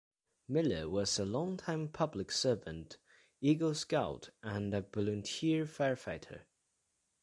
Miller was a longtime public servant, Eagle Scout, and volunteer firefighter.